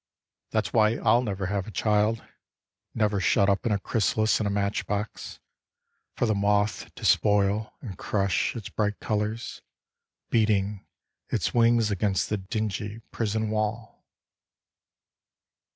That's why I'll never have a child, Never shut up a chrysalis in a match box For the moth to spoil and crush its brght colours, Beating its wings against the dingy prison wall.